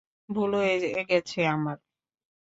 ভুল হয়েছে গেছে আমার।